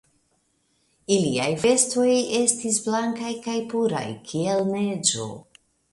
Iliaj vestoj estis blankaj kaj puraj kiel neĝo.